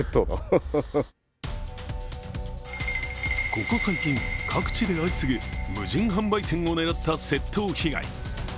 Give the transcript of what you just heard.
ここ最近、各地で相次ぐ無人販売店を狙った窃盗被害。